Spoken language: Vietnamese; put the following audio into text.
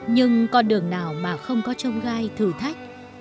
nhưng con đường nào mà không có trông gai thử thách